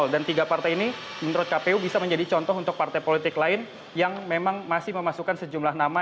dan tiga partai ini menurut kpu bisa menjadi contoh untuk partai politik lain yang memang masih memasukkan sejumlah nama